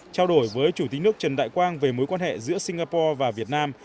trao đổi với chủ tịch nước trần đại quang về mối quan hệ giữa singapore và việt nam